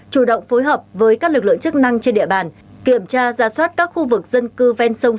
chủ động phối hợp với các lực lượng chức năng trên địa bàn kiểm tra ra soát các khu vực dân cư ven sông